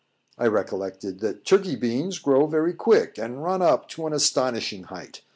I recollected that Turkey beans grow very quick, and run up to an astonishing height.